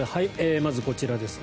まず、こちらですね。